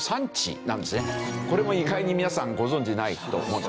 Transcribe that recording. これも意外に皆さんご存じないと思って。